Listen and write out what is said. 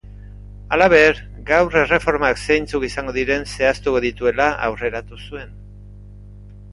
Halaber, gaur erreformak zeintzuk izango diren zehaztuko dituela aurreratu zuen.